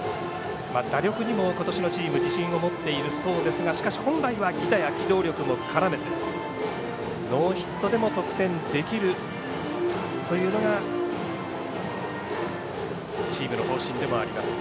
打力にも今年のチーム自信を持っているそうですがしかし、本来は犠打や機動力も絡めたノーヒットでも得点できるというのがチームの方針でもあります。